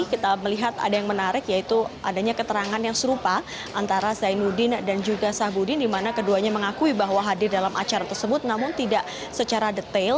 kita melihat ada yang menarik yaitu adanya keterangan yang serupa antara zainuddin dan juga sahbudin di mana keduanya mengakui bahwa hadir dalam acara tersebut namun tidak secara detail